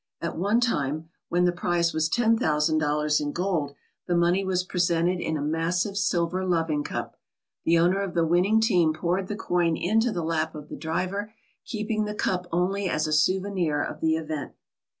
At one time, when the prize was 198 THE DOG DERBY OF ALASKA ten thousand dollars in gold, the money was presented in a massive silver loving cup. The owner of the win ning team poured the coin into the lap of the driver, keeping the cup only as a souvenir of the event.